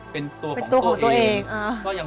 เป็นตัวของตัวเอง